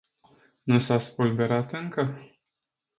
Nu s-a spulberat inca?